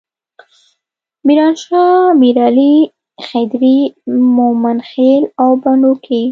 میرانشاه، میرعلي، خدري، ممندخیل او بنو کې.